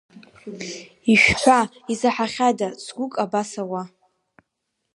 Ишәҳәа, изаҳахьада, цгәык абас ауа?